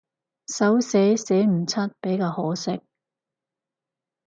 手寫寫唔出比較可惜